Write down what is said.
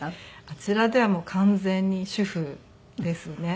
あちらでは完全に主婦ですね。